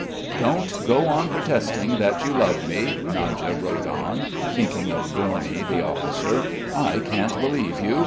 "Don't go on protesting that you love me," Nadya wrote on, thinking of Gorny, the officer, "I can't believe you.